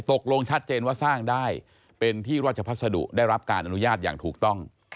ตกลงชัดเจนว่าสร้างได้เป็นที่ราชพัสดุได้รับการอนุญาตอย่างถูกต้อง